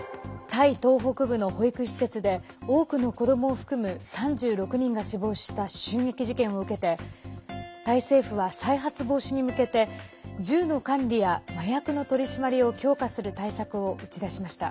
タイ東北部の保育施設で多くの子どもを含む３６人が死亡した襲撃事件を受けてタイ政府は再発防止に向けて銃の管理や麻薬の取り締まりを強化する対策を打ち出しました。